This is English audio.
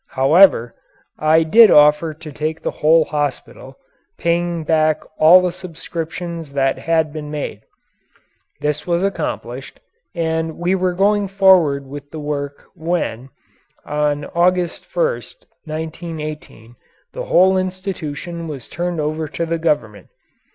However, I did offer to take the whole hospital, paying back all the subscriptions that had been made. This was accomplished, and we were going forward with the work when, on August 1, 1918, the whole institution was turned over to the Government.